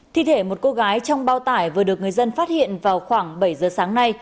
thi thể một cô gái trong bao tải vừa được người dân phát hiện vào khoảng bảy giờ sáng nay